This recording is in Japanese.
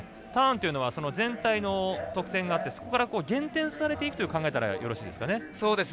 ターンというのは全体の得点があってそこから減点されていくと考えたらよろしいですかね？